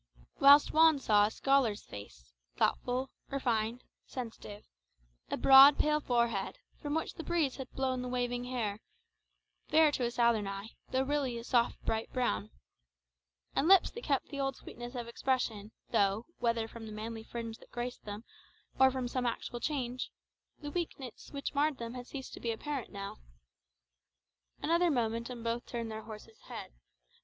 Whilst Juan saw a scholar's face, thoughtful, refined, sensitive; a broad pale forehead, from which the breeze had blown the waving fair hair (fair to a southern eye, though really a bright soft brown), and lips that kept the old sweetness of expression, though, whether from the manly fringe that graced them or from some actual change, the weakness which marred them once had ceased to be apparent now. Another moment, and both had turned their horses' heads.